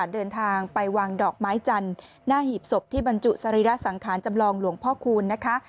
เดินทางไปวางดอกไม้จันทร์หน้าหีบศพที่บรรจุสรีระสังขารจำลองหลวงพ่อคูณนะคะ